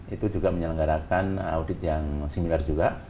itu juga menyelenggarakan audit yang similar juga